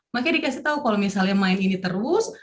makanya dikasih tahu kalau misalnya main ini terus